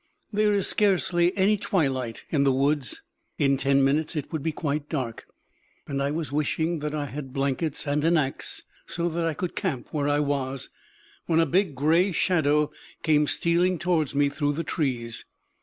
There is scarcely any twilight in the woods; in ten minutes it would be quite dark; and I was wishing that I had blankets and an axe, so that I could camp where I was, when a big gray shadow came stealing towards me through the trees.